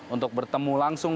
untuk bertemu langsung